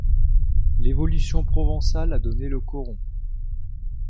L'évolution provençale a donné le cauron.